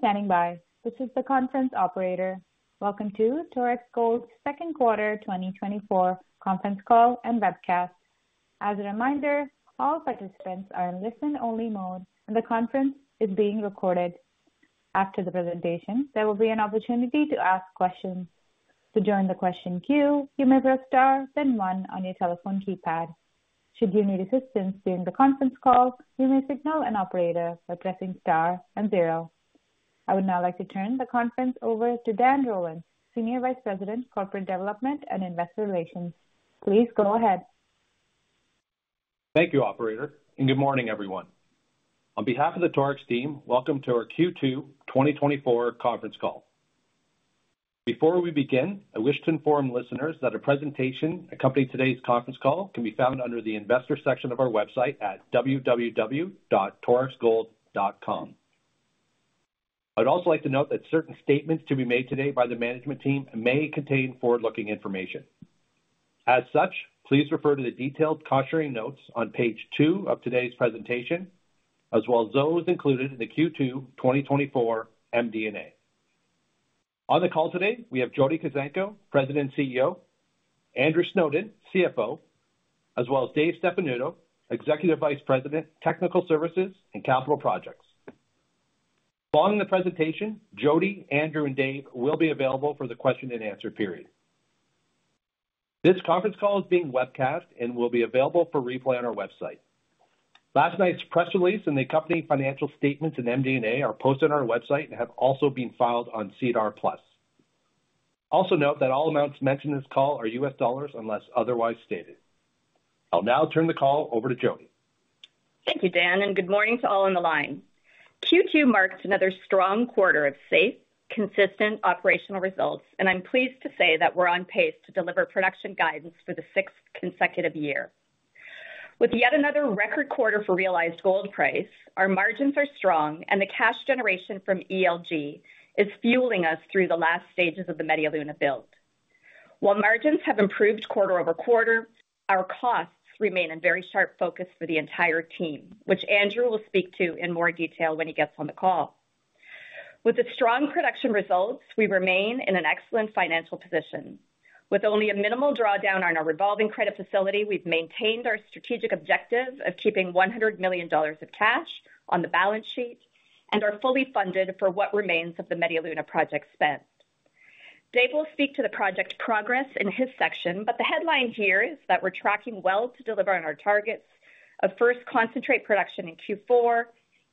Thank you for standing by. This is the conference operator. Welcome to Torex Gold's Q2 2024 conference call and webcast. As a reminder, all participants are in listen-only mode, and the conference is being recorded. After the presentation, there will be an opportunity to ask questions. To join the question queue, you may press Star, then one on your telephone keypad. Should you need assistance during the conference call, you may signal an operator by pressing Star and zero. I would now like to turn the conference over to Dan Rollins, Senior Vice President, Corporate Development and Investor Relations. Please go ahead. Thank you, operator, and good morning, everyone. On behalf of the Torex team, welcome to our Q2 2024 conference call. Before we begin, I wish to inform listeners that a presentation accompanying today's conference call can be found under the investor section of our website at www.torexgold.com. I'd also like to note that certain statements to be made today by the management team may contain forward-looking information. As such, please refer to the detailed cautionary notes on page 2 of today's presentation, as well as those included in the Q2 2024 MD&A. On the call today, we have Jody Kuzenko, President and CEO, Andrew Snowden, CFO, as well as Dave Stefanuto, Executive Vice President, Technical Services and Capital Projects. Following the presentation, Jody, Andrew, and Dave will be available for the question and answer period. This conference call is being webcast and will be available for replay on our website. Last night's press release and the accompanying financial statements and MD&A are posted on our website and have also been filed on SEDAR+. Also note that all amounts mentioned in this call are U.S. dollars unless otherwise stated. I'll now turn the call over to Jody. Thank you, Dan, and good morning to all on the line. Q2 marks another strong quarter of safe, consistent operational results, and I'm pleased to say that we're on pace to deliver production guidance for the sixth consecutive year. With yet another record quarter for realized gold price, our margins are strong, and the cash generation from ELG is fueling us through the last stages of the Media Luna build. While margins have improved quarter-over-quarter, our costs remain in very sharp focus for the entire team, which Andrew will speak to in more detail when he gets on the call. With the strong production results, we remain in an excellent financial position. With only a minimal drawdown on our revolving credit facility, we've maintained our strategic objective of keeping $100 million of cash on the balance sheet and are fully funded for what remains of the Media Luna project spend. Dave will speak to the project progress in his section, but the headline here is that we're tracking well to deliver on our targets of first concentrate production in Q4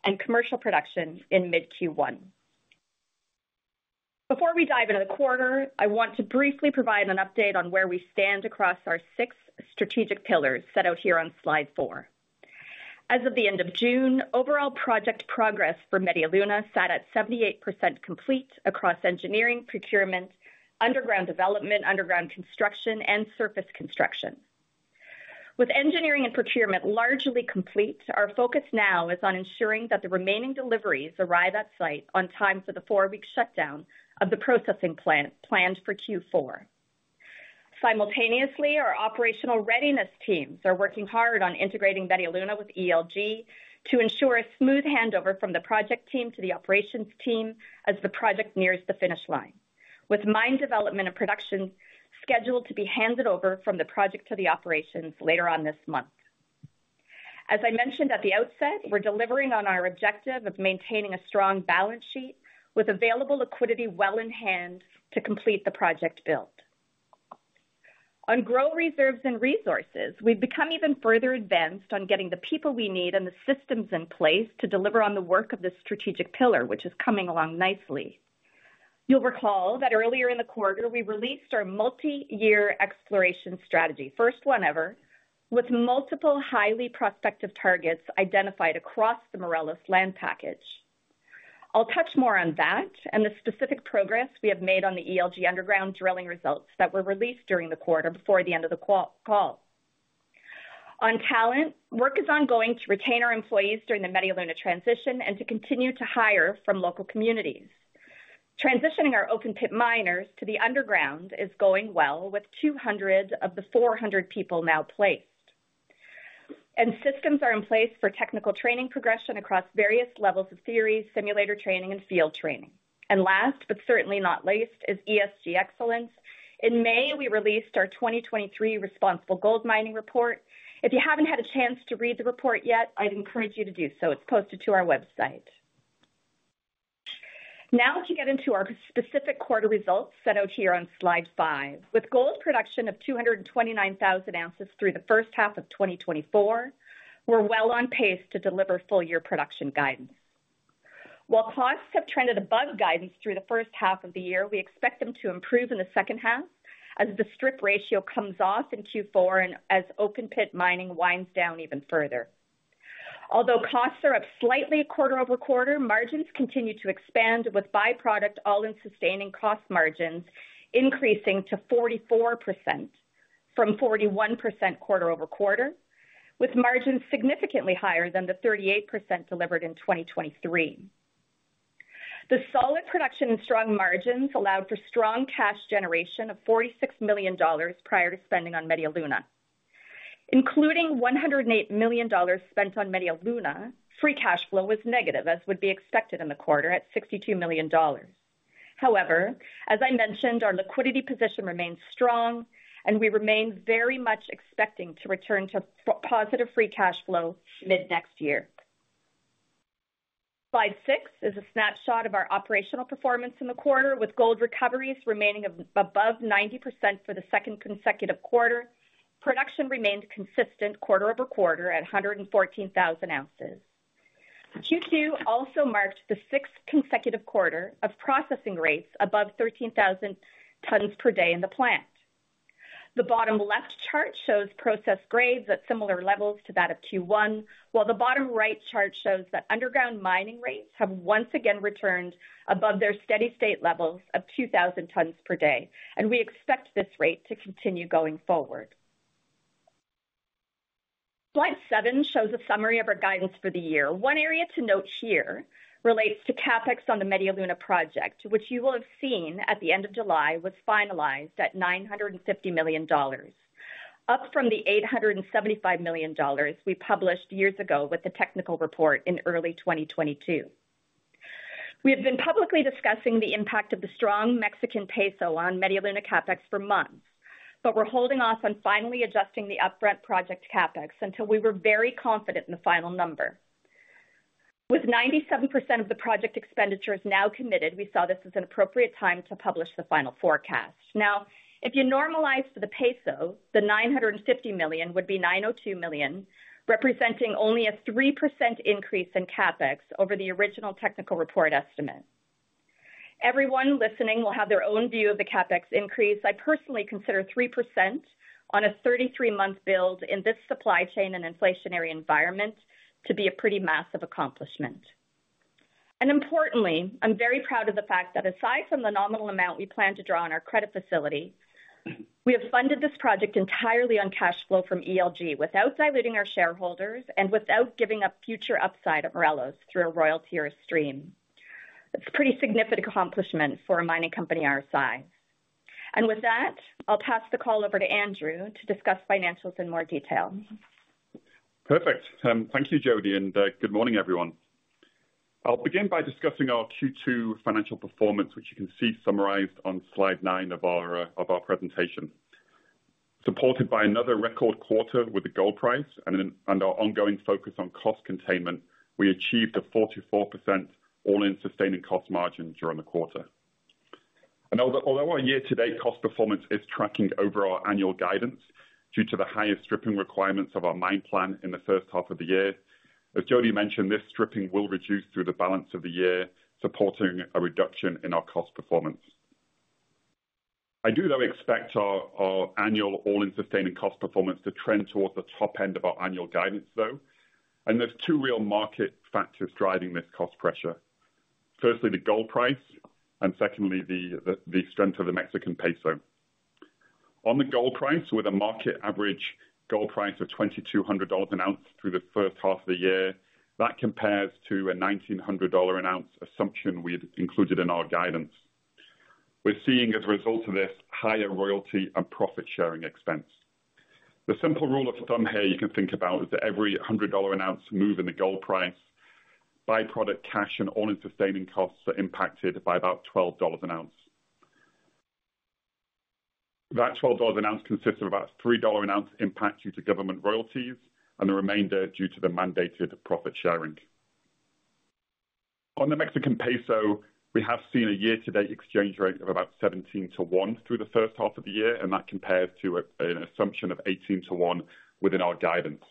and commercial production in mid-Q1. Before we dive into the quarter, I want to briefly provide an update on where we stand across our six strategic pillars, set out here on slide 4. As of the end of June, overall project progress for Media Luna sat at 78% complete across engineering, procurement, underground development, underground construction, and surface construction. With engineering and procurement largely complete, our focus now is on ensuring that the remaining deliveries arrive at site on time for the four-week shutdown of the processing plant planned for Q4. Simultaneously, our operational readiness teams are working hard on integrating Media Luna with ELG to ensure a smooth handover from the project team to the operations team as the project nears the finish line, with mine development and production scheduled to be handed over from the project to the operations later on this month. As I mentioned at the outset, we're delivering on our objective of maintaining a strong balance sheet with available liquidity well in hand to complete the project build. On growing reserves and resources, we've become even further advanced on getting the people we need and the systems in place to deliver on the work of this strategic pillar, which is coming along nicely. You'll recall that earlier in the quarter, we released our multi-year exploration strategy, first one ever, with multiple highly prospective targets identified across the Morelos land package. I'll touch more on that and the specific progress we have made on the ELG underground drilling results that were released during the quarter before the end of the quarter call. On talent, work is ongoing to retain our employees during the Media Luna transition and to continue to hire from local communities. Transitioning our open pit miners to the underground is going well, with 200 of the 400 people now placed. Systems are in place for technical training progression across various levels of theory, simulator training, and field training. Last, but certainly not least, is ESG excellence. In May, we released our 2023 Responsible Gold Mining Report. If you haven't had a chance to read the report yet, I'd encourage you to do so. It's posted to our website. Now, to get into our specific quarter results set out here on slide 5. With gold production of 229,000 ounces through the first half of 2024, we're well on pace to deliver full year production guidance. While costs have trended above guidance through the first half of the year, we expect them to improve in the second half as the strip ratio comes off in Q4 and as open pit mining winds down even further. Although costs are up slightly quarter-over-quarter, margins continue to expand, with by-product all-in sustaining cost margins increasing to 44% from 41% quarter-over-quarter, with margins significantly higher than the 38% delivered in 2023. The solid production and strong margins allowed for strong cash generation of $46 million prior to spending on Media Luna. Including $108 million spent on Media Luna, free cash flow was negative, as would be expected in the quarter, at $62 million. However, as I mentioned, our liquidity position remains strong, and we remain very much expecting to return to positive free cash flow mid-next year. Slide 6 is a snapshot of our operational performance in the quarter, with gold recoveries remaining above 90% for the second consecutive quarter. Production remained consistent quarter-over-quarter at 114,000 ounces. Q2 also marked the sixth consecutive quarter of processing rates above 13,000 tons per day in the plant. The bottom left chart shows process grades at similar levels to that of Q1, while the bottom right chart shows that underground mining rates have once again returned above their steady-state levels of 2,000 tons per day, and we expect this rate to continue going forward. Slide 7 shows a summary of our guidance for the year. One area to note here relates to CapEx on the Media Luna project, which you will have seen at the end of July, was finalized at $950 million, up from the $875 million we published years ago with the technical report in early 2022. We have been publicly discussing the impact of the strong Mexican peso on Media Luna CapEx for months, but we're holding off on finally adjusting the upfront project CapEx until we were very confident in the final number. With 97% of the project expenditures now committed, we saw this as an appropriate time to publish the final forecast. Now, if you normalize for the peso, the $950 million would be $902 million, representing only a 3% increase in CapEx over the original technical report estimate. Everyone listening will have their own view of the CapEx increase. I personally consider 3% on a 33-month build in this supply chain and inflationary environment to be a pretty massive accomplishment. And importantly, I'm very proud of the fact that aside from the nominal amount we plan to draw on our credit facility, we have funded this project entirely on cash flow from ELG, without diluting our shareholders and without giving up future upside of Morelos through a royalty or a stream. It's a pretty significant accomplishment for a mining company our size. With that, I'll pass the call over to Andrew to discuss financials in more detail. Perfect. Thank you, Jody, and good morning, everyone. I'll begin by discussing our Q2 financial performance, which you can see summarized on slide 9 of our, of our presentation. Supported by another record quarter with the gold price and our ongoing focus on cost containment, we achieved a 44% all-in sustaining cost margin during the quarter. And although our year-to-date cost performance is tracking over our annual guidance due to the higher stripping requirements of our mine plan in the first half of the year, as Jody mentioned, this stripping will reduce through the balance of the year, supporting a reduction in our cost performance. I do, though, expect our annual all-in sustaining cost performance to trend towards the top end of our annual guidance, though, and there's 2 real market factors driving this cost pressure. Firstly, the gold price, and secondly, the strength of the Mexican peso. On the gold price, with a market average gold price of $2,200 an ounce through the first half of the year, that compares to a $1,900 an ounce assumption we had included in our guidance. We're seeing, as a result of this, higher royalty and profit-sharing expense. The simple rule of thumb here you can think about is that every $100 an ounce move in the gold price, byproduct, cash, and all-in sustaining costs are impacted by about $12 an ounce. That $12 an ounce consists of about $3 an ounce impact due to government royalties and the remainder due to the mandated profit sharing. On the Mexican peso, we have seen a year-to-date exchange rate of about 17 to 1 through the first half of the year, and that compares to an assumption of 18 to 1 within our guidance.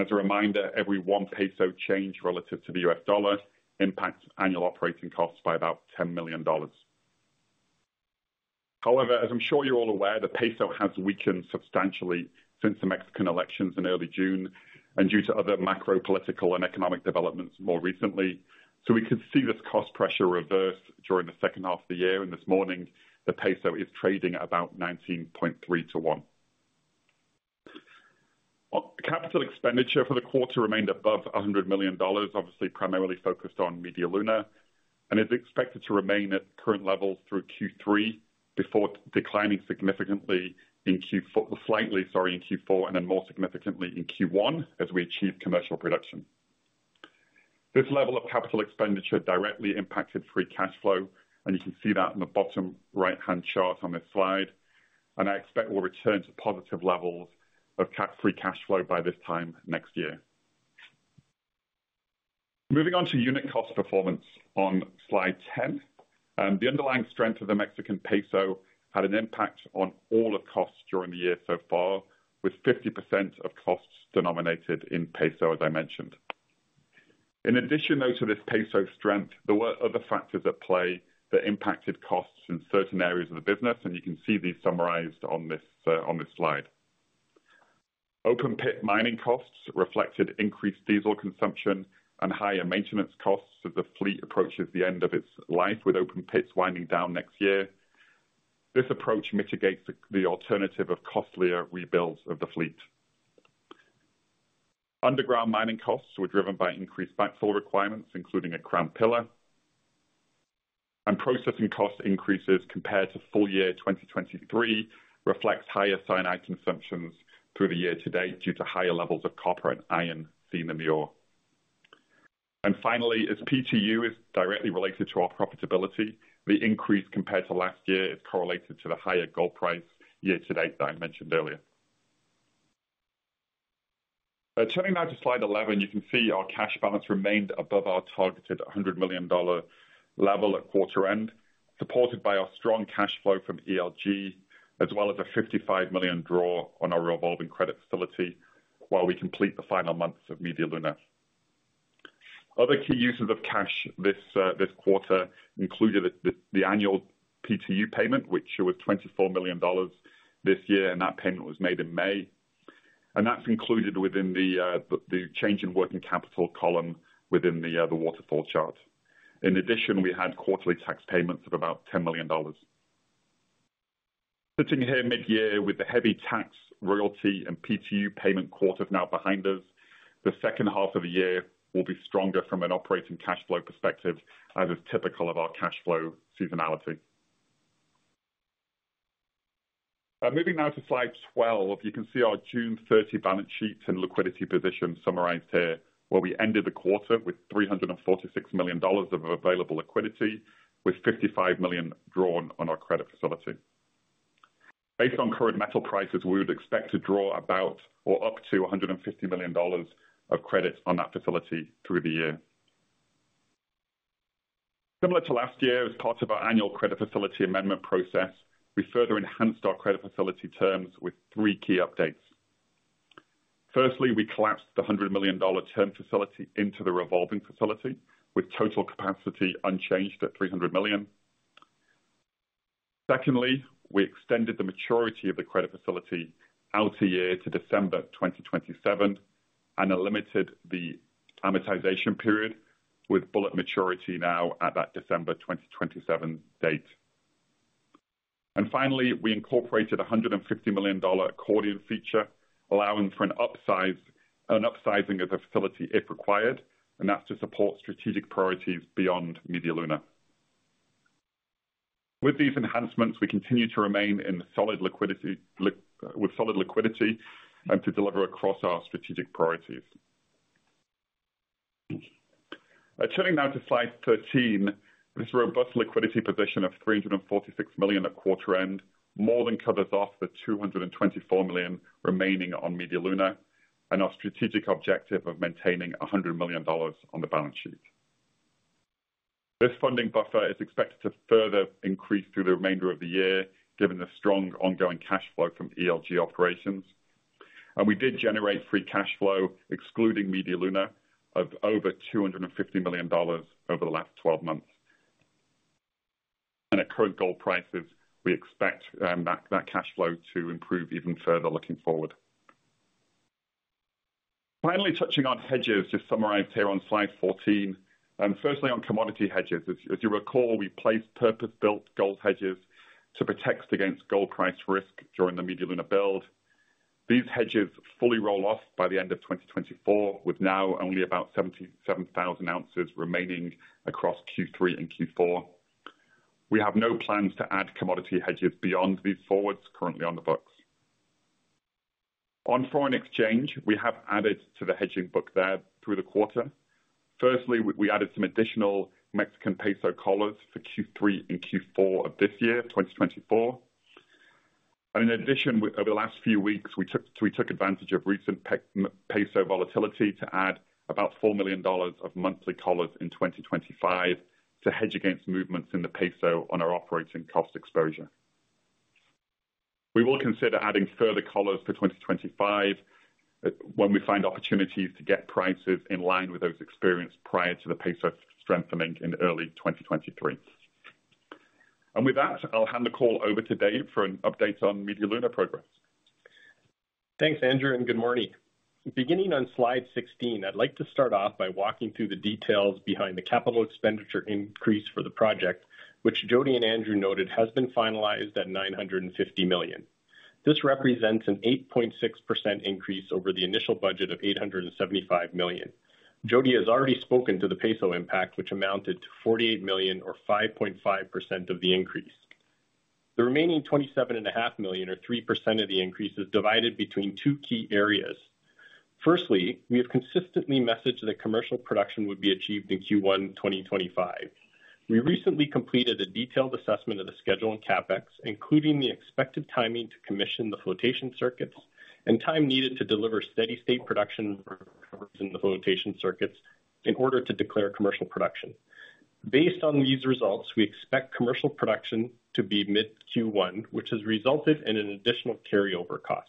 As a reminder, every 1 peso change relative to the US dollar impacts annual operating costs by about $10 million. However, as I'm sure you're all aware, the peso has weakened substantially since the Mexican elections in early June and due to other macro political and economic developments more recently. We could see this cost pressure reverse during the second half of the year, and this morning, the peso is trading at about 19.3 to 1. On capital expenditure for the quarter remained above $100 million, obviously primarily focused on Media Luna, and is expected to remain at current levels through Q3 before declining significantly in Q4, slightly, sorry, in Q4, and then more significantly in Q1 as we achieve commercial production. This level of capital expenditure directly impacted free cash flow, and you can see that in the bottom right-hand chart on this slide. I expect we'll return to positive levels of free cash flow by this time next year. Moving on to unit cost performance on slide 10. The underlying strength of the Mexican peso had an impact on all of costs during the year so far, with 50% of costs denominated in peso, as I mentioned. In addition, though, to this peso strength, there were other factors at play that impacted costs in certain areas of the business, and you can see these summarized on this, on this slide. Open pit mining costs reflected increased diesel consumption and higher maintenance costs as the fleet approaches the end of its life, with open pits winding down next year. This approach mitigates the alternative of costlier rebuilds of the fleet. Underground mining costs were driven by increased backfill requirements, including a crown pillar. And processing cost increases compared to full year 2023, reflects higher cyanide consumptions through the year to date, due to higher levels of copper and iron seen in the ore. And finally, as PTU is directly related to our profitability, the increase compared to last year is correlated to the higher gold price year to date that I mentioned earlier. Turning now to slide 11, you can see our cash balance remained above our targeted $100 million level at quarter end, supported by our strong cash flow from ELG, as well as a $55 million draw on our revolving credit facility, while we complete the final months of Media Luna. Other key uses of cash this quarter included the annual PTU payment, which was $24 million this year, and that payment was made in May. That's included within the change in working capital column within the waterfall chart. In addition, we had quarterly tax payments of about $10 million. Sitting here mid-year with the heavy tax, royalty, and PTU payment quarter now behind us, the second half of the year will be stronger from an operating cash flow perspective, as is typical of our cash flow seasonality. Moving now to slide 12, you can see our June 30 balance sheet and liquidity position summarized here, where we ended the quarter with $346 million of available liquidity, with $55 million drawn on our credit facility. Based on current metal prices, we would expect to draw about or up to $150 million of credit on that facility through the year. Similar to last year, as part of our annual credit facility amendment process, we further enhanced our credit facility terms with three key updates. Firstly, we collapsed the $100 million term facility into the revolving facility, with total capacity unchanged at $300 million. Secondly, we extended the maturity of the credit facility out a year to December 2027, and unlimited the amortization period with bullet maturity now at that December 2027 date. And finally, we incorporated a $150 million accordion feature, allowing for an upsize, an upsizing of the facility if required, and that's to support strategic priorities beyond Media Luna. With these enhancements, we continue to remain in solid liquidity, with solid liquidity and to deliver across our strategic priorities. Turning now to slide 13, this robust liquidity position of $346 million at quarter end more than covers off the $224 million remaining on Media Luna and our strategic objective of maintaining $100 million on the balance sheet. This funding buffer is expected to further increase through the remainder of the year, given the strong ongoing cash flow from ELG operations. We did generate free cash flow, excluding Media Luna, of over $250 million over the last 12 months. At current gold prices, we expect that cash flow to improve even further looking forward. Finally, touching on hedges is summarized here on slide 14. Firstly, on commodity hedges. As you recall, we placed purpose-built gold hedges to protect against gold price risk during the Media Luna build. These hedges fully roll off by the end of 2024, with now only about 77,000 ounces remaining across Q3 and Q4. We have no plans to add commodity hedges beyond these forwards currently on the books. On foreign exchange, we have added to the hedging book there through the quarter. Firstly, we added some additional Mexican peso collars for Q3 and Q4 of this year, 2024. And in addition, over the last few weeks, we took advantage of recent peso volatility to add about $4 million of monthly collars in 2025 to hedge against movements in the peso on our operating cost exposure. We will consider adding further collars for 2025, when we find opportunities to get prices in line with those experienced prior to the peso strengthening in early 2023. With that, I'll hand the call over to Dave for an update on Media Luna progress. Thanks, Andrew, and good morning. Beginning on slide 16, I'd like to start off by walking through the details behind the capital expenditure increase for the project, which Jodi and Andrew noted has been finalized at $950 million. This represents an 8.6% increase over the initial budget of $875 million. Jodi has already spoken to the peso impact, which amounted to 48 million or 5.5% of the increase. The remaining 27.5 million, or 3% of the increase, is divided between two key areas. Firstly, we have consistently messaged that commercial production would be achieved in Q1 2025. We recently completed a detailed assessment of the schedule and CapEx, including the expected timing to commission the flotation circuits, and time needed to deliver steady state production in the flotation circuits in order to declare commercial production. Based on these results, we expect commercial production to be mid Q1, which has resulted in additional carryover costs.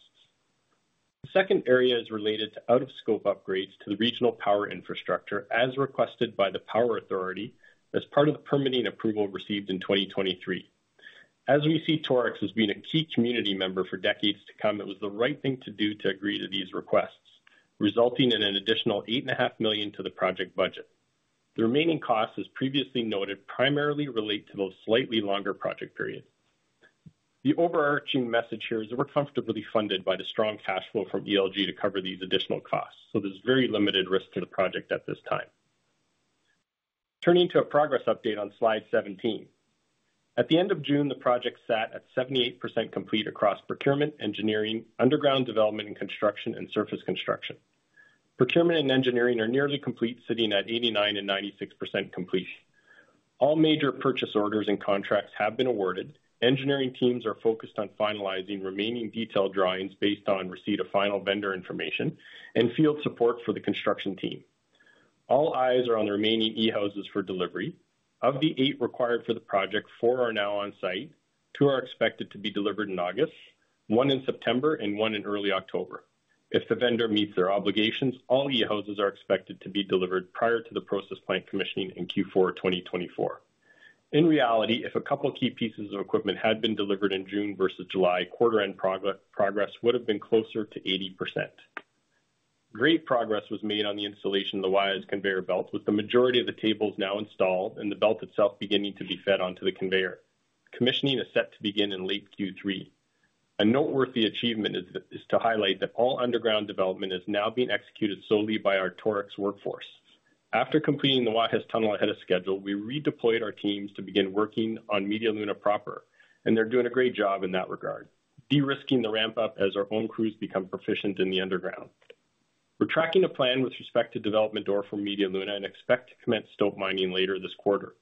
The second area is related to out-of-scope upgrades to the regional power infrastructure, as requested by the power authority, as part of the permitting approval received in 2023. As we see Torex as being a key community member for decades to come, it was the right thing to do to agree to these requests, resulting in an additional $8.5 million to the project budget. The remaining costs, as previously noted, primarily relate to the slightly longer project period. The overarching message here is that we're comfortably funded by the strong cash flow from ELG to cover these additional costs, so there's very limited risk to the project at this time. Turning to a progress update on slide 17. At the end of June, the project sat at 78% complete across procurement, engineering, underground development and construction, and surface construction. Procurement and engineering are nearly complete, sitting at 89% and 96% complete. All major purchase orders and contracts have been awarded. Engineering teams are focused on finalizing remaining detailed drawings based on receipt of final vendor information and field support for the construction team. All eyes are on the remaining e-houses for delivery. Of the eight required for the project, four are now on site, two are expected to be delivered in August, one in September, and one in early October. If the vendor meets their obligations, all e-houses are expected to be delivered prior to the process plant commissioning in Q4 2024. In reality, if a couple of key pieces of equipment had been delivered in June versus July, quarter-end progress would have been closer to 80%. Great progress was made on the installation of the Guajes conveyor belt, with the majority of the tables now installed and the belt itself beginning to be fed onto the conveyor. Commissioning is set to begin in late Q3. A noteworthy achievement is to highlight that all underground development is now being executed solely by our Torex workforce. After completing the Guajes Tunnel ahead of schedule, we redeployed our teams to begin working on Media Luna proper, and they're doing a great job in that regard, de-risking the ramp up as our own crews become proficient in the underground. We're tracking a plan with respect to development ore for Media Luna and expect to commence stope mining later this quarter.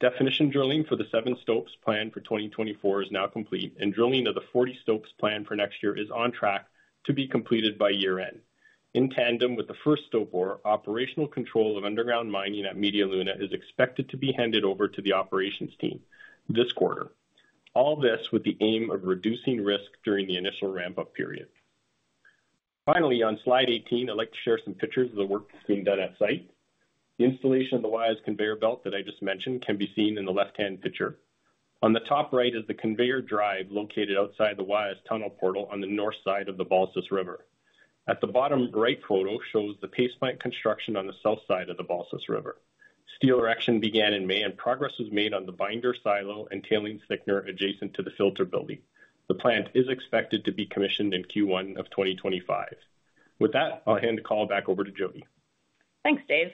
Definition drilling for the seven stopes planned for 2024 is now complete, and drilling of the 40 stopes planned for next year is on track to be completed by year-end. In tandem with the first stope ore, operational control of underground mining at Media Luna is expected to be handed over to the operations team this quarter. All this with the aim of reducing risk during the initial ramp-up period. Finally, on slide 18, I'd like to share some pictures of the work being done at site. The installation of the Guajes Tunnel conveyor belt that I just mentioned can be seen in the left-hand picture. On the top right is the conveyor drive, located outside the Guajes Tunnel portal on the north side of the Balsas River. At the bottom right photo shows the paste plant construction on the south side of the Balsas River. Steel erection began in May, and progress was made on the binder silo and tailings thickener adjacent to the filter building. The plant is expected to be commissioned in Q1 of 2025. With that, I'll hand the call back over to Jody. Thanks, Dave.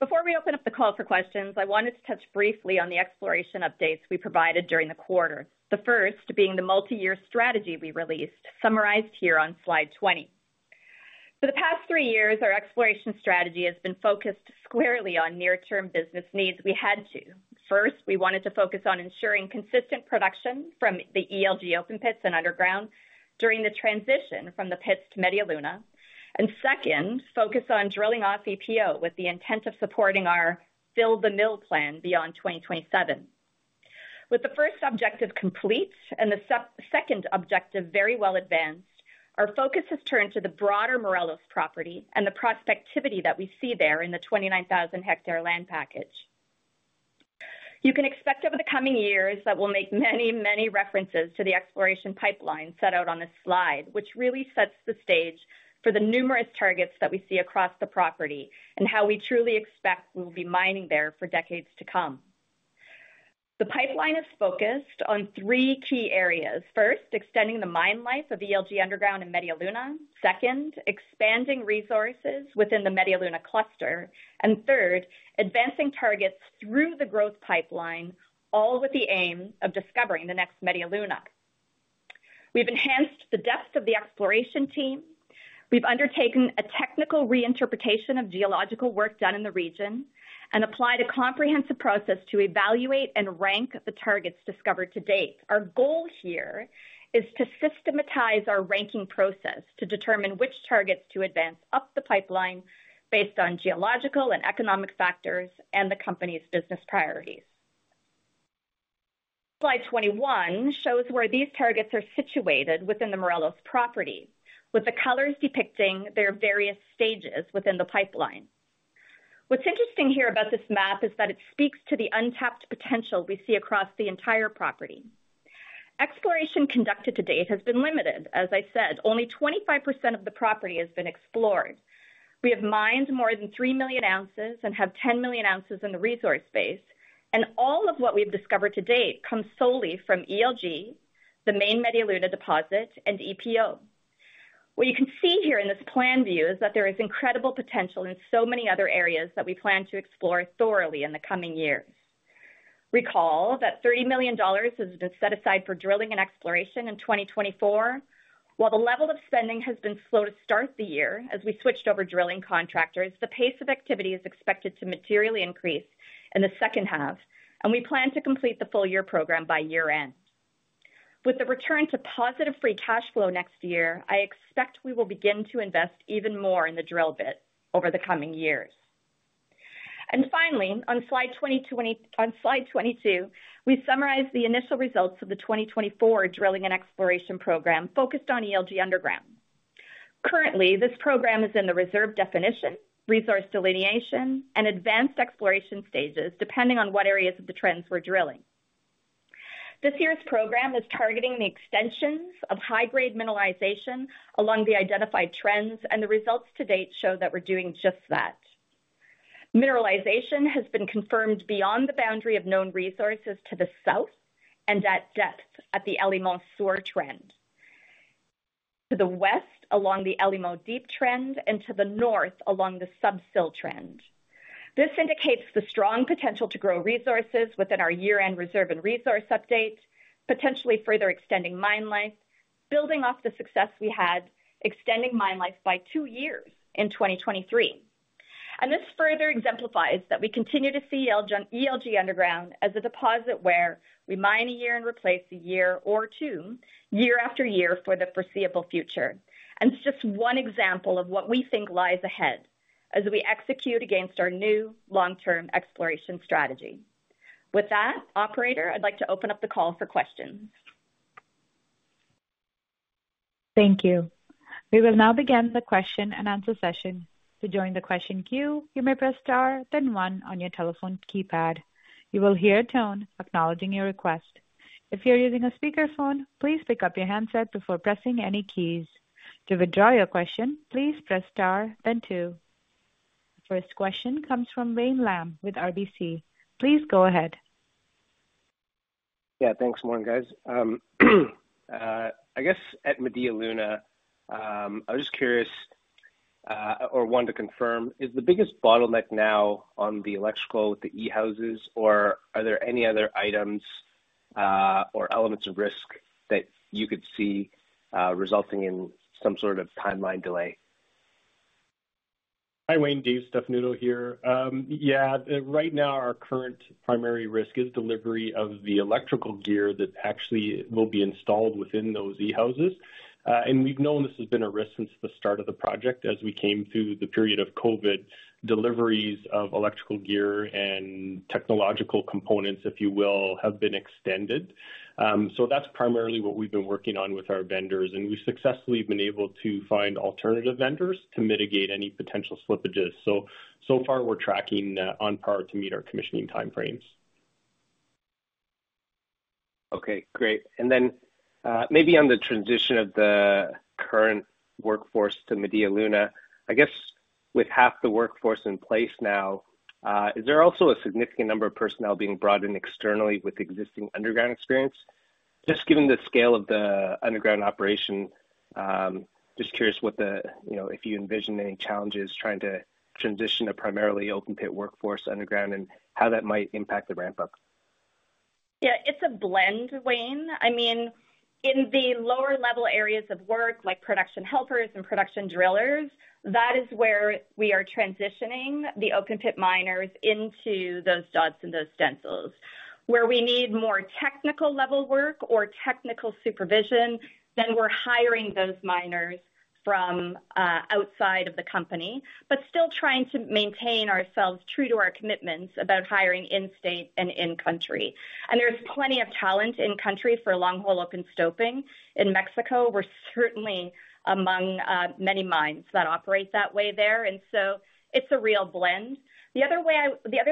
Before we open up the call for questions, I wanted to touch briefly on the exploration updates we provided during the quarter. The first being the multi-year strategy we released, summarized here on slide 20. For the past 3 years, our exploration strategy has been focused squarely on near-term business needs. We had to. First, we wanted to focus on ensuring consistent production from the ELG open pits and underground during the transition from the pits to Media Luna. And second, focus on drilling off EPO with the intent of supporting our fill the mill plan beyond 2027. With the first objective complete and the second objective very well advanced, our focus has turned to the broader Morelos property and the prospectivity that we see there in the 29,000-hectare land package. You can expect over the coming years that we'll make many, many references to the exploration pipeline set out on this slide, which really sets the stage for the numerous targets that we see across the property and how we truly expect we'll be mining there for decades to come. The pipeline is focused on three key areas. First, extending the mine life of ELG Underground and Media Luna. Second, expanding resources within the Media Luna Cluster. And third, advancing targets through the growth pipeline, all with the aim of discovering the next Media Luna. We've enhanced the depth of the exploration team. We've undertaken a technical reinterpretation of geological work done in the region and applied a comprehensive process to evaluate and rank the targets discovered to date. Our goal here is to systematize our ranking process to determine which targets to advance up the pipeline based on geological and economic factors and the company's business priorities. Slide 21 shows where these targets are situated within the Morelos Property, with the colors depicting their various stages within the pipeline. What's interesting here about this map is that it speaks to the untapped potential we see across the entire property. Exploration conducted to date has been limited. As I said, only 25% of the property has been explored. We have mined more than 3 million ounces and have 10 million ounces in the resource base, and all of what we've discovered to date comes solely from ELG, the main Media Luna deposit, and EPO. What you can see here in this plan view is that there is incredible potential in so many other areas that we plan to explore thoroughly in the coming years. Recall that $30 million has been set aside for drilling and exploration in 2024. While the level of spending has been slow to start the year as we switched over drilling contractors, the pace of activity is expected to materially increase in the second half, and we plan to complete the full year program by year-end. With the return to positive free cash flow next year, I expect we will begin to invest even more in the drill bit over the coming years. Finally, on slide 20, on slide 22, we summarize the initial results of the 2024 drilling and exploration program focused on ELG Underground. Currently, this program is in the reserve definition, resource delineation, and advanced exploration stages, depending on what areas of the trends we're drilling. This year's program is targeting the extensions of high-grade mineralization along the identified trends, and the results to date show that we're doing just that. Mineralization has been confirmed beyond the boundary of known resources to the south and at depth at the El Limón Sur trend. To the west, along the El Limón Deep trend, and to the north along the Sub-Sill trend. This indicates the strong potential to grow resources within our year-end reserve and resource update, potentially further extending mine life, building off the success we had, extending mine life by two years in 2023. And this further exemplifies that we continue to see ELG Underground as a deposit where we mine a year and replace a year or two, year after year for the foreseeable future. And it's just one example of what we think lies ahead as we execute against our new long-term exploration strategy. With that, operator, I'd like to open up the call for questions. Thank you. We will now begin the question-and-answer session. To join the question queue, you may press star, then one on your telephone keypad. You will hear a tone acknowledging your request. If you're using a speakerphone, please pick up your handset before pressing any keys. To withdraw your question, please press star, then two. First question comes from Wayne Lam with RBC. Please go ahead. Yeah, thanks. Morning, guys. I guess at Media Luna, I was just curious, or wanted to confirm, is the biggest bottleneck now on the electrical with the e-houses, or are there any other items, or elements of risk that you could see, resulting in some sort of timeline delay? Hi, Wayne. Dave Stefanuto here. Yeah, right now, our current primary risk is delivery of the electrical gear that actually will be installed within those e-houses. And we've known this has been a risk since the start of the project. As we came through the period of COVID, deliveries of electrical gear and technological components, if you will, have been extended. So that's primarily what we've been working on with our vendors, and we've successfully been able to find alternative vendors to mitigate any potential slippages. So, so far, we're tracking on par to meet our commissioning time frames. Okay, great. And then, maybe on the transition of the current workforce to Media Luna, I guess with half the workforce in place now, is there also a significant number of personnel being brought in externally with existing underground experience? Just given the scale of the underground operation, just curious what the, you know, if you envision any challenges trying to transition a primarily open-pit workforce underground and how that might impact the ramp-up. Yeah, it's a blend, Wayne. I mean, in the lower-level areas of work, like production helpers and production drillers, that is where we are transitioning the open-pit miners into those dots and those stencils. Where we need more technical level work or technical supervision, then we're hiring those miners from outside of the company, but still trying to maintain ourselves true to our commitments about hiring in-state and in-country. And there's plenty of talent in country for long-hole open stoping. In Mexico, we're certainly among many mines that operate that way there, and so it's a real blend. The other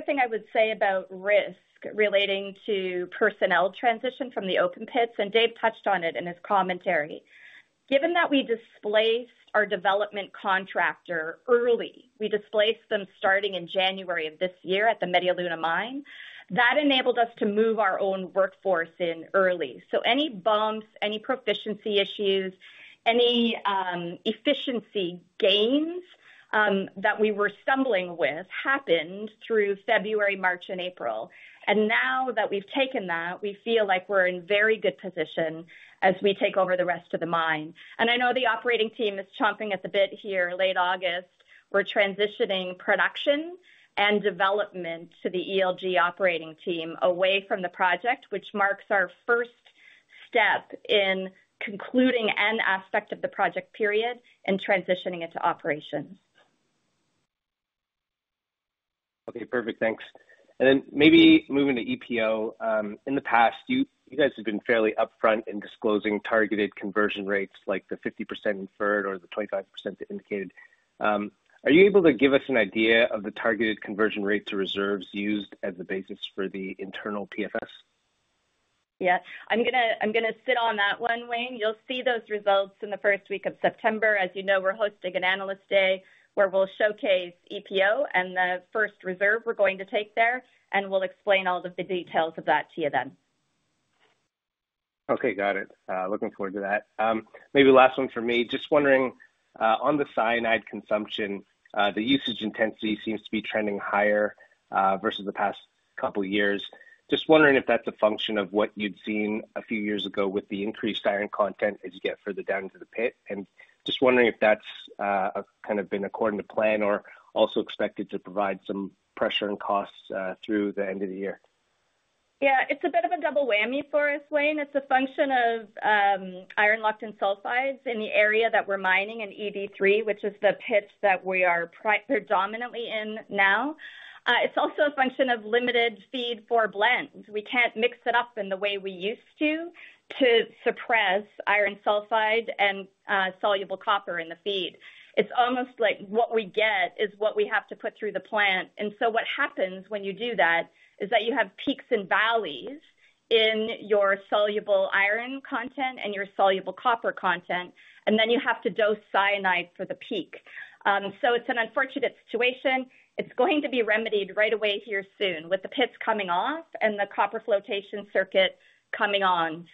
thing I would say about risk relating to personnel transition from the open pits, and Dave touched on it in his commentary. Given that we displaced our development contractor early, we displaced them starting in January of this year at the Media Luna mine. That enabled us to move our own workforce in early. So any bumps, any proficiency issues, any efficiency gains that we were stumbling with happened through February, March and April. And now that we've taken that, we feel like we're in very good position as we take over the rest of the mine. And I know the operating team is chomping at the bit here, late August. We're transitioning production and development to the ELG operating team away from the project, which marks our first step in concluding an aspect of the project period and transitioning it to operations. Okay, perfect. Thanks. And then maybe moving to EPO. In the past, you guys have been fairly upfront in disclosing targeted conversion rates like the 50% inferred or the 25% indicated. Are you able to give us an idea of the targeted conversion rate to reserves used as the basis for the internal PFS? Yeah, I'm gonna, I'm gonna sit on that one, Wayne. You'll see those results in the first week of September. As you know, we're hosting an Analyst Day, where we'll showcase EPO and the first reserve we're going to take there, and we'll explain all of the details of that to you then. Okay, got it. Looking forward to that. Maybe last one for me. Just wondering on the cyanide consumption, the usage intensity seems to be trending higher versus the past couple of years. Just wondering if that's a function of what you'd seen a few years ago with the increased iron content as you get further down into the pit, and just wondering if that's kind of been according to plan or also expected to provide some pressure and costs through the end of the year. Yeah, it's a bit of a double whammy for us, Wayne. It's a function of iron locked in sulfides in the area that we're mining in EV3, which is the pits that we are predominantly in now. It's also a function of limited feed for blends. We can't mix it up in the way we used to, to suppress iron sulfide and soluble copper in the feed. It's almost like what we get is what we have to put through the plant. And so what happens when you do that is that you have peaks and valleys in your soluble iron content and your soluble copper content, and then you have to dose cyanide for the peak. So it's an unfortunate situation. It's going to be remedied right away here soon, with the pits coming off and the copper flotation circuit coming on.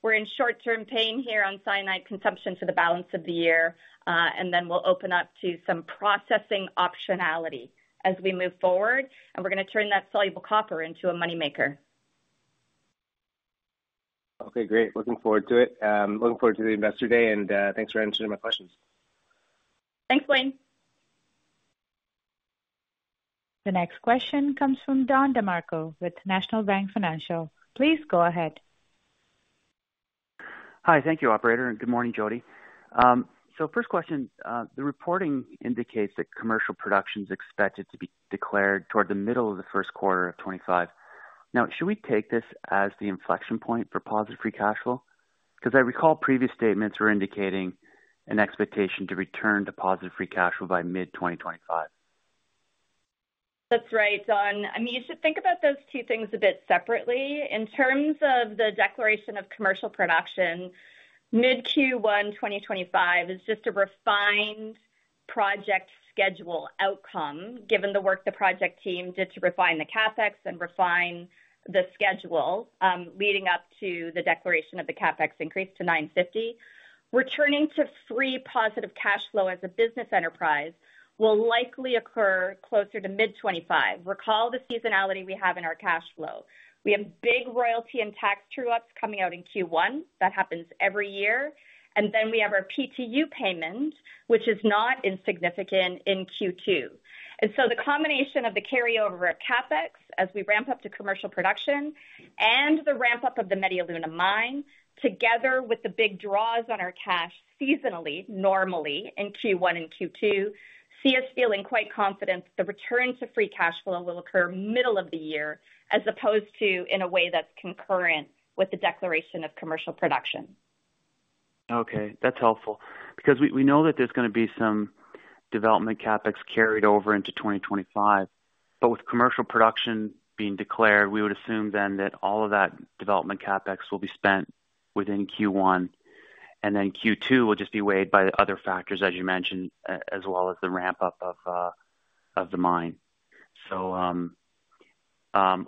We're in short-term pain here on cyanide consumption for the balance of the year, and then we'll open up to some processing optionality as we move forward, and we're going to turn that soluble copper into a money maker. Okay, great. Looking forward to it. Looking forward to the Investor Day, and thanks for answering my questions. Thanks, Wayne. The next question comes from Don DeMarco with National Bank Financial. Please go ahead. Hi. Thank you, operator, and good morning, Jody. So first question, the reporting indicates that commercial production is expected to be declared toward the middle of the Q1 of 2025. Now, should we take this as the inflection point for positive free cash flow? Because I recall previous statements were indicating an expectation to return to positive free cash flow by mid-2025. That's right, Don. I mean, you should think about those two things a bit separately. In terms of the declaration of commercial production, mid Q1 2025 is just a refined project schedule outcome, given the work the project team did to refine the CapEx and refine the schedule, leading up to the declaration of the CapEx increase to $950. Returning to free positive cash flow as a business enterprise will likely occur closer to mid 2025. Recall the seasonality we have in our cash flow. We have big royalty and tax true-ups coming out in Q1. That happens every year. And then we have our PTU payment, which is not insignificant in Q2. The combination of the carryover of CapEx as we ramp up to commercial production and the ramp-up of the Media Luna mine, together with the big draws on our cash seasonally, normally in Q1 and Q2, see us feeling quite confident the return to free cash flow will occur middle of the year, as opposed to in a way that's concurrent with the declaration of commercial production. Okay, that's helpful, because we know that there's going to be some development CapEx carried over into 2025, but with commercial production being declared, we would assume then that all of that development CapEx will be spent within Q1, and then Q2 will just be weighed by the other factors, as you mentioned, as well as the ramp-up of the mine. So,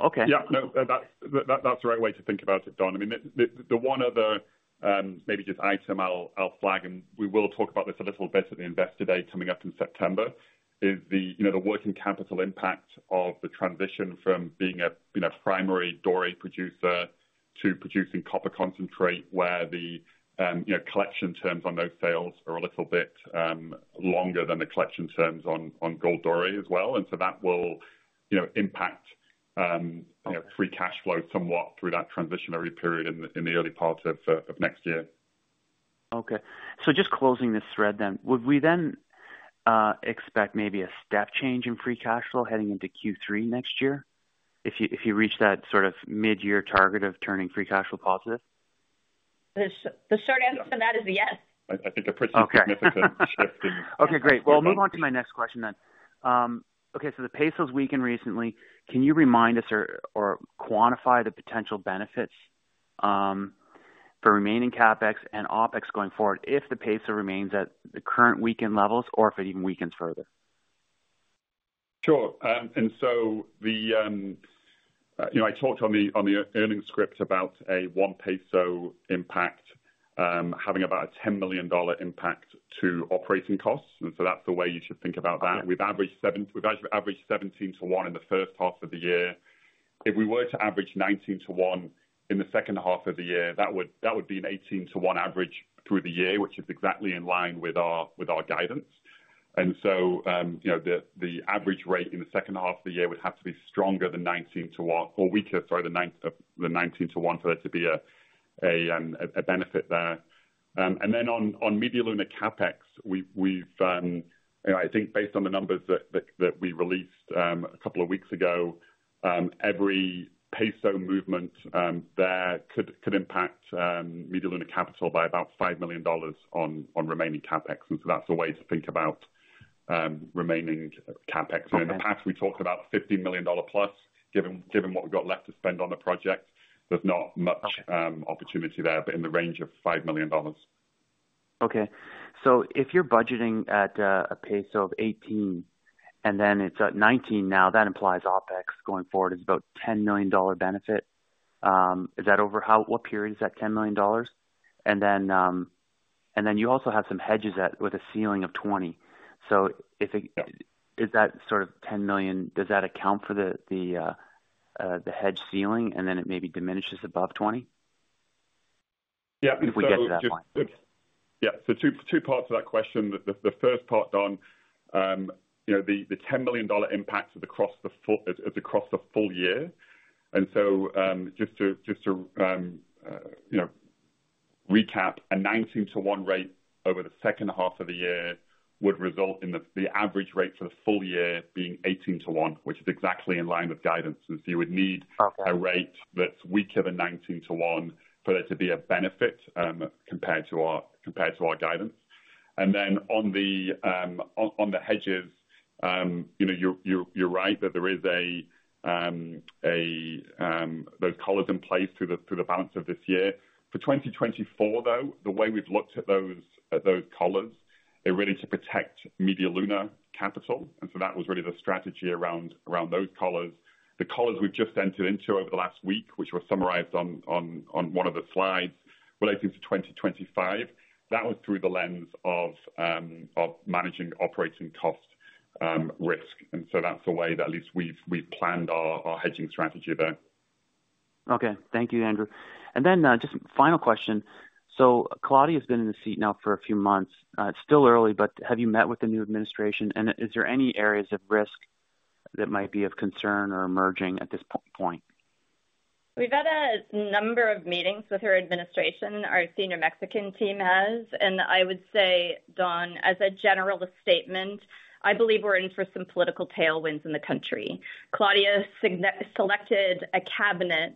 okay. Yeah, no, that's the right way to think about it, Don. I mean, the one other maybe just item I'll flag, and we will talk about this a little bit at the Investor Day coming up in September, is the, you know, the working capital impact of the transition from being a, you know, primary Doré producer to producing copper concentrate, where the, you know, collection terms on those sales are a little bit longer than the collection terms on, on gold Doré as well. And so that will, you know, impact, you know, free cash flow somewhat through that transitionary period in the early part of next year. Okay. So just closing this thread then, would we then expect maybe a step change in free cash flow heading into Q3 next year, if you, if you reach that sort of mid-year target of turning free cash flow positive? The short answer to that is yes. I think a pretty- Okay. Significant shift in Okay, great. Well, move on to my next question then. Okay, so the peso has weakened recently. Can you remind us or, or quantify the potential benefits, for remaining CapEx and OpEx going forward if the peso remains at the current weakened levels or if it even weakens further? Sure. And so the, you know, I talked on the, on the earnings script about a 1 peso impact, having about a $10 million impact to operating costs, and so that's the way you should think about that. We've averaged 17 to 1 in the first half of the year. If we were to average 19 to 1 in the second half of the year, that would be an 18 to 1 average through the year, which is exactly in line with our guidance. And so, you know, the average rate in the second half of the year would have to be stronger than 19 to 1 or weaker, sorry, the 19 to 1 for there to be a benefit there. And then on Media Luna CapEx, we've you know, I think based on the numbers that we released a couple of weeks ago, every peso movement there could impact Media Luna CapEx by about $5 million on remaining CapEx. And so that's the way to think about remaining CapEx. Okay. In the past, we talked about $50 million plus, given what we've got left to spend on the project, there's not much- Okay... opportunity there, but in the range of $5 million. Okay. So if you're budgeting at a peso of 18 and then it's at 19 now, that implies OpEx going forward is about $10 million benefit. Is that over what period is that $10 million? And then you also have some hedges at with a ceiling of 20. So if it is that sort of $10 million, does that account for the hedge ceiling, and then it maybe diminishes above 20? Yeah, and so- If we get to that point. Yeah. So two parts to that question. The first part, Don, you know, the $10 million impact is across the full year. And so, just to, you know, recap, a 19-to-1 rate over the second half of the year would result in the average rate for the full year being 18-to-1, which is exactly in line with guidance. And so you would need- Okay... a rate that's weaker than 19-to-1 for there to be a benefit, compared to our, compared to our guidance. And then on the, on, on the hedges-... You know, you're right, that there is those collars in place through the balance of this year. For 2024, though, the way we've looked at those collars, they're really to protect Media Luna capital, and so that was really the strategy around those collars. The collars we've just entered into over the last week, which were summarized on one of the slides relating to 2025, that was through the lens of managing operating cost risk. And so that's the way that at least we've planned our hedging strategy there. Okay. Thank you, Andrew. And then, just final question. So Claudia's been in the seat now for a few months. It's still early, but have you met with the new administration, and is there any areas of risk that might be of concern or emerging at this point? We've had a number of meetings with her administration, our senior Mexican team has, and I would say, Don, as a general statement, I believe we're in for some political tailwinds in the country. Claudia selected a cabinet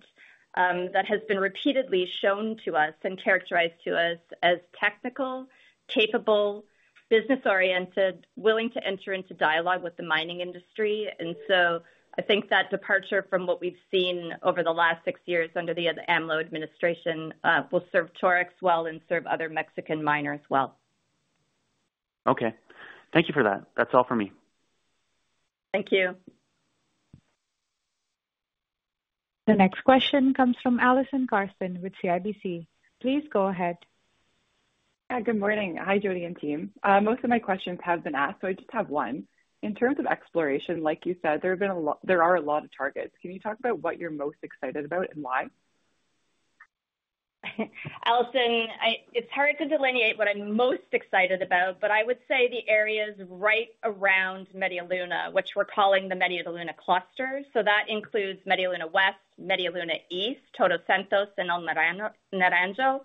that has been repeatedly shown to us and characterized to us as technical, capable, business-oriented, willing to enter into dialogue with the mining industry. And so I think that departure from what we've seen over the last six years under the AMLO administration will serve Torex well and serve other Mexican miners well. Okay. Thank you for that. That's all for me. Thank you. The next question comes from Allison Carson with CIBC. Please go ahead. Hi, good morning. Hi, Jody and team. Most of my questions have been asked, so I just have one. In terms of exploration, like you said, there have been a lot, there are a lot of targets. Can you talk about what you're most excited about and why? Alyson, it's hard to delineate what I'm most excited about, but I would say the areas right around Media Luna, which we're calling the Media Luna Cluster. That includes Media Luna West, Media Luna East, Todos Santos, and El Naranjo.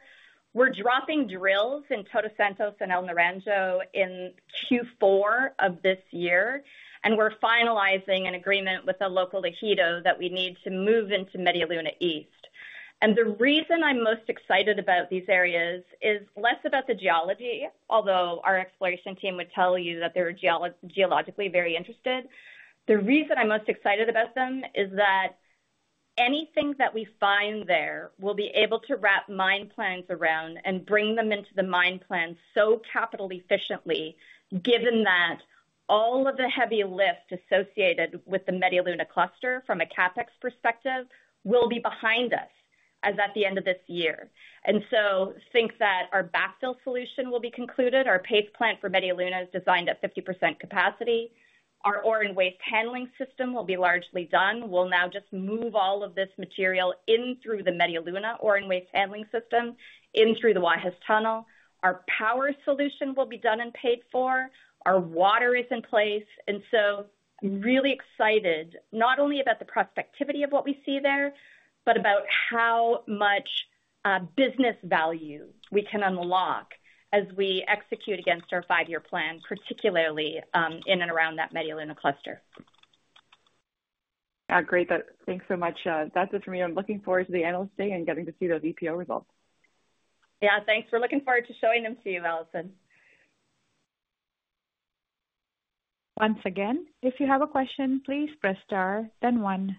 We're dropping drills in Todos Santos and El Naranjo in Q4 of this year, and we're finalizing an agreement with the local ejido that we need to move into Media Luna East. The reason I'm most excited about these areas is less about the geology, although our exploration team would tell you that they're geologically very interested. The reason I'm most excited about them is that anything that we find there, we'll be able to wrap mine plans around and bring them into the mine plan so capital efficiently, given that all of the heavy lifts associated with the Media Luna cluster from a CapEx perspective, will be behind us, as at the end of this year. And so think that our backfill solution will be concluded. Our paste plant for Media Luna is designed at 50% capacity. Our ore and waste handling system will be largely done. We'll now just move all of this material in through the Media Luna ore and waste handling system, in through the Guajes Tunnel. Our power solution will be done and paid for. Our water is in place. Really excited, not only about the prospectivity of what we see there, but about how much business value we can unlock as we execute against our five-year plan, particularly in and around that Media Luna Cluster. Great. Thanks so much. That's it for me. I'm looking forward to the Analyst Day and getting to see those EPO results. Yeah, thanks. We're looking forward to showing them to you, Alyson. Once again, if you have a question, please press star then one.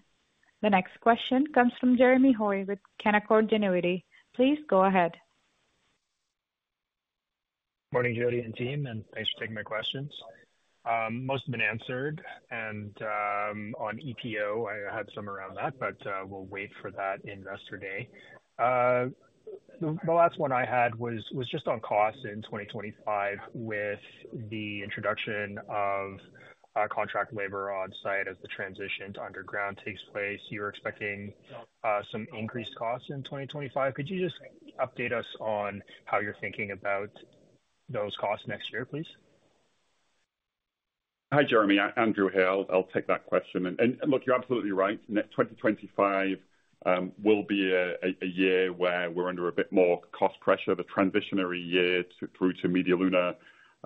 The next question comes from Jeremy Hoy with Canaccord Genuity. Please go ahead. Morning, Jody and team, and thanks for taking my questions. Most have been answered, and on EPO, I had some around that, but we'll wait for that Investor Day. The last one I had was just on costs in 2025 with the introduction of contract labor on site as the transition to underground takes place. You're expecting some increased costs in 2025. Could you just update us on how you're thinking about those costs next year, please? Hi, Jeremy, Andrew here. I'll take that question. And look, you're absolutely right. In 2025, it will be a year where we're under a bit more cost pressure, the transitional year through to Media Luna.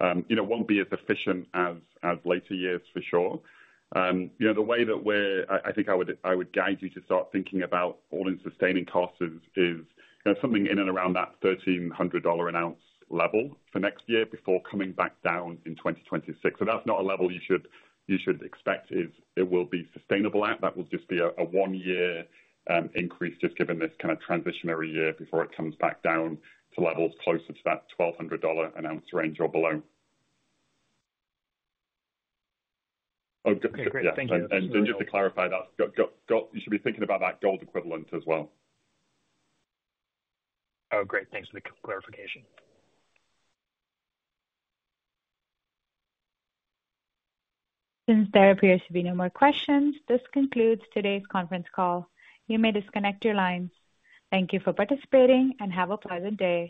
It won't be as efficient as later years, for sure. You know, the way that we're... I think I would guide you to start thinking about all-in sustaining costs is, you know, something in and around that $1,300 an ounce level for next year before coming back down in 2026. So that's not a level you should expect is sustainable at. That will just be a one-year increase, just given this kind of transitionary year before it comes back down to levels closer to that $1,200 an ounce range or below. Oh, g- Okay, great. Thank you. Just to clarify that. You should be thinking about that gold equivalent as well. Oh, great. Thanks for the clarification. Since there appears to be no more questions, this concludes today's conference call. You may disconnect your lines. Thank you for participating, and have a pleasant day.